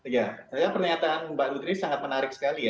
ya saya pernyataan mbak ludri sangat menarik sekali ya